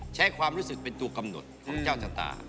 ใช้ความรู้สึกเป็นตัวกำหนดของเจ้าชะตา